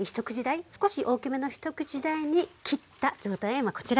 少し大きめの一口大に切った状態が今こちらに入ってます。